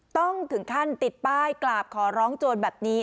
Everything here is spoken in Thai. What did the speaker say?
ต้องถึงขั้นติดป้ายกราบขอร้องโจรแบบนี้